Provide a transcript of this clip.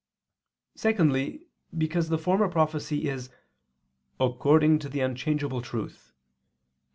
Secondly, because the former prophecy is "according to the unchangeable truth" [*Q.